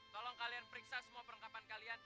tolong kalian periksa semua perlengkapan kalian